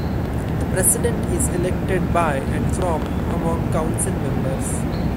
The President is elected by and from among Council members.